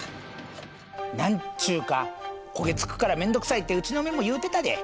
何ちゅか焦げつくから面倒くさいってうちの嫁も言うてたで。